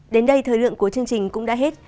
đến đây thời lượng của chương trình cũng đã hết